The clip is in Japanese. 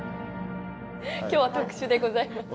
今日は特殊でございます。